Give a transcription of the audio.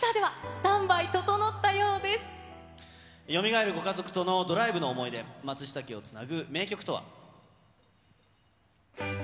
よみがえるご家族とのドライブの思い出、松下家をつなぐ名曲とは。